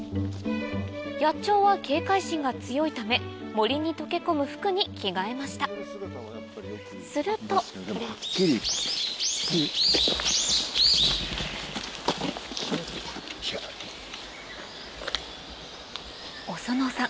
野鳥は警戒心が強いため森に溶け込む服に着替えましたすると小曽納さん